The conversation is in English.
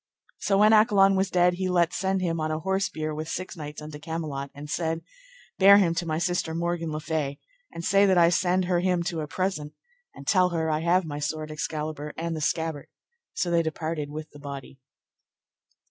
So when Accolon was dead he let send him on an horse bier with six knights unto Camelot, and said: Bear him to my sister Morgan le Fay, and say that I send her him to a present, and tell her I have my sword Excalibur and the scabbard; so they departed with the body.